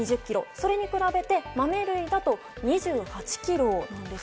それに比べて、豆類だと２８ｋｇなんです。